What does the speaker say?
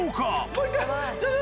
もう一回。